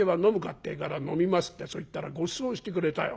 ってえから『飲みます』ってそう言ったらごちそうしてくれたよ。